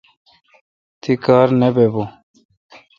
تی کار نہ بہ بو۔